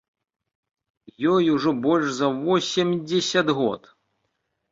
Ёй ужо больш за восемдзесят год.